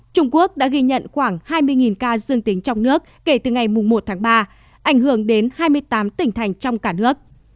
trung quốc đã ghi nhận khoảng hai mươi ca dương tính trong nước kể từ ngày một tháng ba ảnh hưởng đến hai mươi tám tỉnh thành trong cả nước